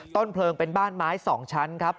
ต้นเพลิงเป็นบ้านไม้๒ชั้นครับ